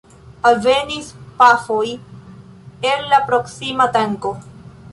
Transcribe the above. Alvenis pafoj el la proksima tanko.